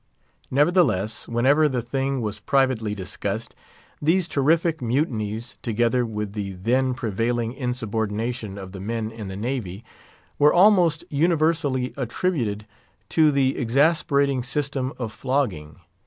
Nevertheless, whenever the thing was privately discussed, these terrific mutinies, together with the then prevailing insubordination of the men in the navy, were almost universally attributed to the exasperating system of flogging.